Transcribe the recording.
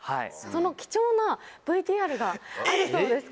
その貴重なＶＴＲがあるそうです